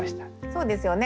そうですよね。